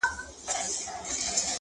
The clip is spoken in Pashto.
او نوي معناوي لټوي ډېر،